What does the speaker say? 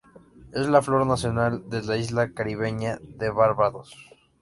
Es la "Flor Nacional" de la isla caribeña de Barbados.